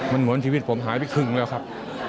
มันเหมือนชีวิตผมหายไปครึ่งแล้วครับ